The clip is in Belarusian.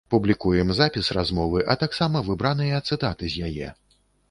Публікуем запіс размовы, а таксама выбраныя цытаты з яе.